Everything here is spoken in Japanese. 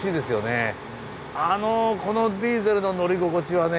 あのこのディーゼルの乗り心地はね